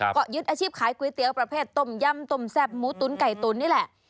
ก็ยึดอาชีพขายก๋วยเตี๋ยวประเภทต้มยำต้มแซ่บหมูตุ๋นไก่ตุ๋นนี่แหละ